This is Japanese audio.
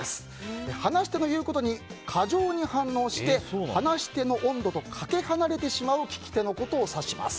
話し手の言うことに過剰に反応して話し手の温度とかけ離れてしまう聞き手のことを指します。